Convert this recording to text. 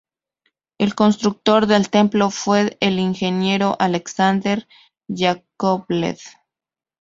El constructor del templo fue el ingeniero Alexander Yakovlev.